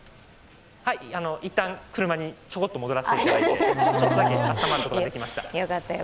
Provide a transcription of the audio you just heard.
いったん車に、ちょこっと戻らせていただいてちょっとだけ暖まることができました。